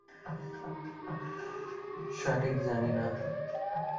সাঠিক জানি না।